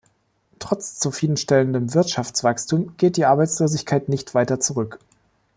Trotz zufriedenstellendem Wirtschaftswachstum geht die Arbeitslosigkeit nicht weiter zurück.